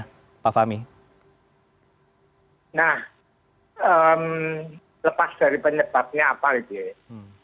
nah lepas dari penyebabnya apa gitu ya